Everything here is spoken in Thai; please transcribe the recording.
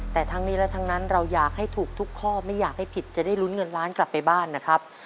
แต่ทั้งนี้และทั้งนั้นเราอยากให้ถูกทุกข้อไม่อยากให้ผิดจะได้ลุ้นเงินล้านกลับไปบ้านนะครับ